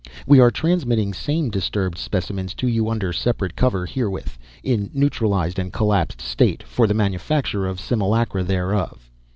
We are transmitting same disturbed specimens to you under separate cover herewith, in neutralized and collapsed state, for the manufacture of simulacra thereof.